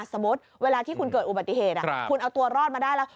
สมมุติเวลาที่คุณเกิดอุบัติเหตุคุณเอาตัวรอดมาได้แล้ว